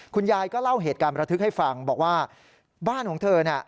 คุณยายก็เล่าเหตุการณ์ประทึกให้ฟังบอกว่าบ้านของเธอเนี่ย